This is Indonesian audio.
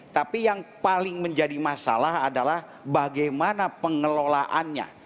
tapi yang paling menjadi masalah adalah bagaimana pengelolaannya